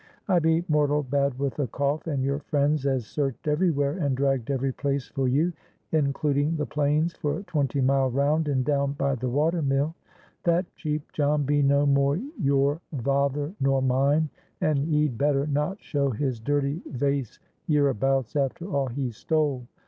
I be mortal bad with a cough, and your friends as searched everywhere, and dragged every place for you, encluding the plains for twenty mile round and down by the watermill. That Cheap John be no more your vather nor mine, an e'd better not show his dirty vace yearabouts after all he stole.